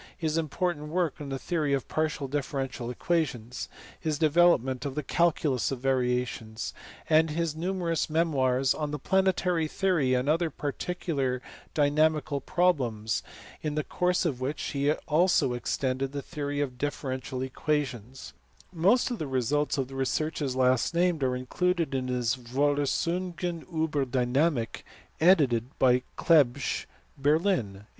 457) ; his important work on the theory of partial differentia] equations; his development of the calculus of variations ; and his numerous memoirs on the planetary theory and other particular dynamical problems, in the course of which also he extended the theory of differential equations : most of the results of the researches last named are included in his Vorlesungen uber Dynamik, edited by Clebsch, Berlin, 1866.